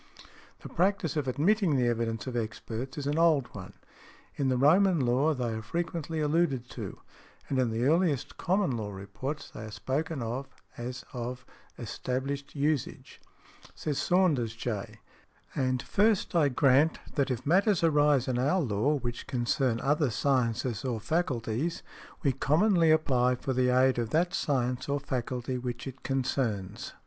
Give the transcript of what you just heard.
The practice of admitting the evidence of experts is an old one: in the Roman Law they are frequently alluded to, and in the earliest Common Law reports they are spoken of as of established usage. Says Saunders, J., "and first I grant that if matters arise in our law which |110| concern other sciences or faculties we commonly apply for the aid of that science or faculty which it concerns.